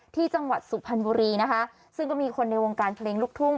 จังหวัดสุพรรณบุรีนะคะซึ่งก็มีคนในวงการเพลงลูกทุ่ง